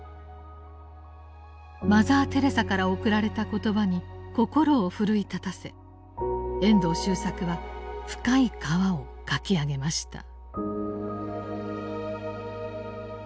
マザー・テレサから贈られた言葉に心を奮い立たせ遠藤周作は「深い河」を書き上げました。